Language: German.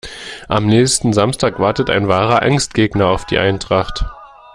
Am nächsten Samstag wartet ein wahrer Angstgegner auf die Eintracht.